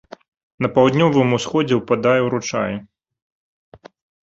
На паўднёвым усходзе ўпадае ручай.